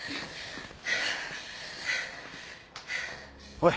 おい。